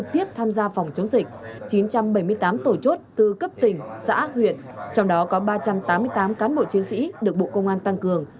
chín trăm bảy mươi tám tổ chốt tư cấp tỉnh xã huyện trong đó có ba trăm tám mươi tám cán bộ chiến sĩ được bộ công an tăng cường